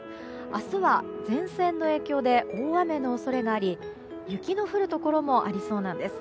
明日は前線の影響で大雨の恐れがあり雪の降るところもありそうなんです。